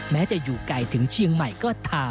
แม้จะอยู่ไกลถึงเชียงใหม่ก็ตาม